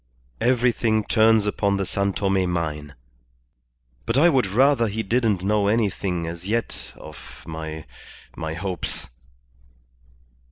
"Everything turns upon the San Tome mine, but I would rather he didn't know anything as yet of my my hopes."